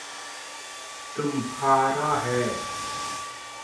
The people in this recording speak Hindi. तुम्हारा है।